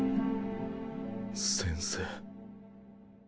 先生。